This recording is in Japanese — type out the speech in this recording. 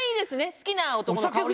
好きな男の香り。